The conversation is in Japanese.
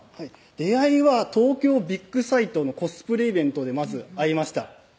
出会いは東京ビッグサイトのコスプレイベントでまず会いました